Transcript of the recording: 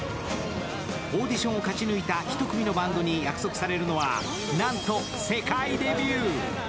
オーディションを勝ち抜いた１組のバンドに約束されるのはなんと世界デビュー。